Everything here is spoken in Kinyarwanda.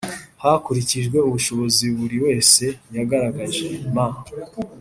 hakurikijwe ubushobozi buri wese yagaragaje m